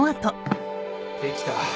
できた！